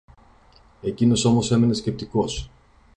Εκείνος όμως έμενε σκεπτικός.